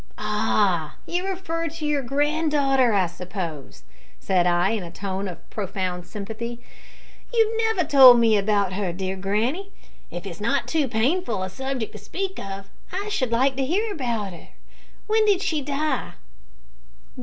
"Ah! you refer to your granddaughter, I suppose," said I in a tone of profound sympathy. "You have never told me about her, dear granny. If it is not too painful a subject to speak of, I should like to hear about her. When did she die?"